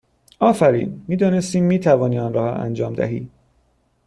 آفرین! می دانستیم می توانی آن را انجام دهی!